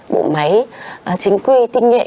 bộ máy chính quy tinh nghệ